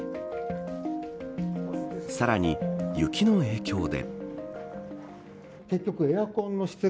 さらに雪の影響で。